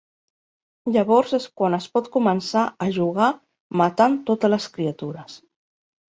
Llavors és quan es pot començar a jugar matant totes les criatures.